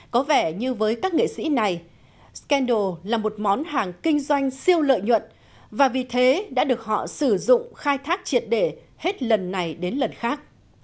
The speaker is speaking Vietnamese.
có vẻ như với các nghệ sĩ này scandal là một món hàng kinh doanh siêu lợi nhuận và vì thế đã được họ sử dụng khai thác triệt để hết lần này đến lần khác